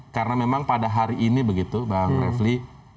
karena memang pada hari ini begitu bang refli